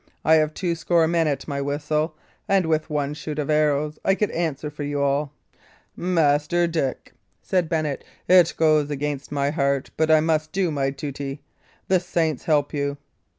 I have two score men at my whistle, and with one shoot of arrows I could answer for you all." "Master Dick," said Bennet, "it goes against my heart; but I must do my duty. The saints help you!"